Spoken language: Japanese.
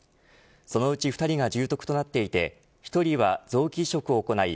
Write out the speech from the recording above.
そのうち２人が重篤となっていて１人は臓器移植を行い